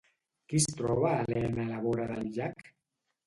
Qui es troba Elena a la vora del llac?